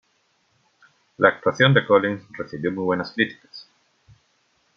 La actuación de Collins recibió muy buenas críticas.